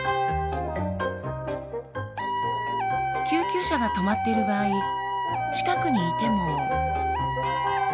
救急車が止まっている場合近くにいても。